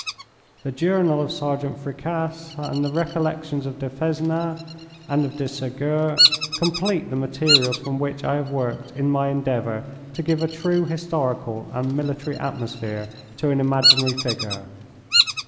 The Journal of Sergeant Fricasse and the Recollections of de Fezenac and of de Segur complete the materials from which I have worked in my endeavour to give a true historical and military atmosphere to an imaginary figure.